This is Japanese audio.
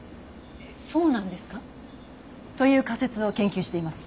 えっそうなんですか！？という仮説を研究しています。